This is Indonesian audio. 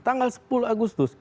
tanggal sepuluh agustus